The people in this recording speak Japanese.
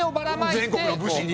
全国の武士に？